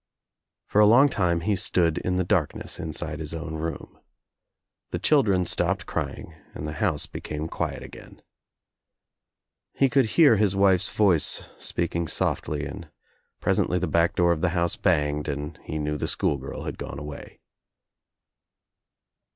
For a long time he stood in the darkness Inside his own room. The children stopped crying and the house THE DOOR became quiet again. He could hear his wife's voice speaking softly and presently the back door of the house banged and he knew the schoolgirl had gone away.